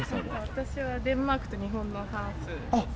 私はデンマークと日本のハーフです。